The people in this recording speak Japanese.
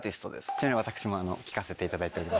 ちなみに私も聴かせていただいております。